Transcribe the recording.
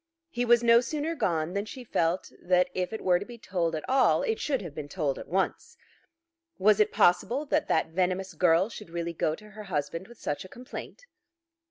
He was no sooner gone than she felt that if it were to be told at all it should have been told at once. Was it possible that that venomous girl should really go to her husband with such a complaint?